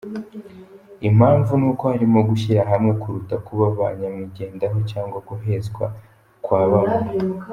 Impamvu ni uko harimo gushyira hamwe kuruta kuba ba nyamwigendaho cyangwa guhezwa kwa bamwe.